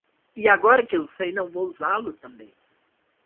E agora que eu sei, não vou usá-lo também.